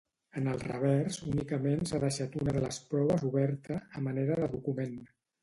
En el revers únicament s'ha deixat una de les proves oberta, a manera de document.